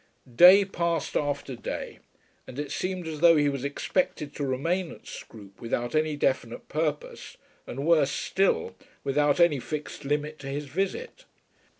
Day passed after day and it seemed as though he was expected to remain at Scroope without any definite purpose, and, worse still, without any fixed limit to his visit.